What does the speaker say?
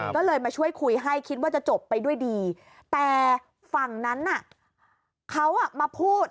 ก็เลยมาช่วยคุยให้คิดว่าจะจบไปด้วยดีแต่ฝั่งนั้นน่ะเขามาพูด